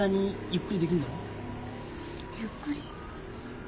ゆっくり！